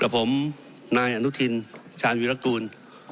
และพวกผมนายอนุทินชานวิลกูล